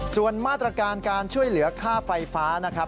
ส่วนมาตรการการช่วยเหลือค่าไฟฟ้านะครับ